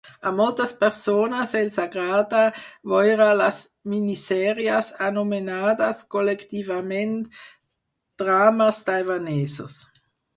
A moltes persones els agrada veure les minisèries anomenades col·lectivament Drames taiwanesos.